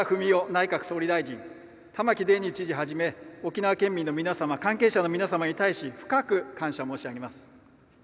内閣総理大臣玉城デニー知事をはじめ沖縄県民の皆様関係者の皆様に対し深く感謝申し上げます。